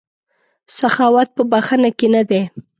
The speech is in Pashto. سخاوت په بښنه کې نه دی.